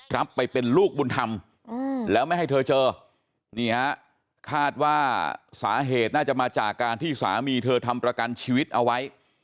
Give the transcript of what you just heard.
รับไปเป็นลูกบุญธรรมแล้วไม่ให้เธอเจอนี่ฮะคาดว่าสาเหตุน่าจะมาจากการที่สามีเธอทำประกันชีวิตเอาไว้